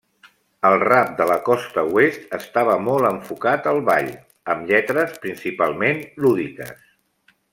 El rap de la Costa Oest estava molt enfocat al ball, amb lletres principalment lúdiques.